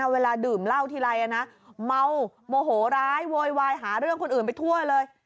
เวลาดื่มเหล้าทีไรเมาโมโหร้ายโวยวายหาเรื่องคนอื่นไปทั่วเลย